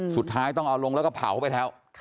สุดท้ายต้องเอาลงแล้วก็เผาไปแล้ว